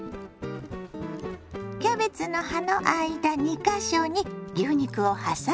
キャベツの葉の間２か所に牛肉をはさみます。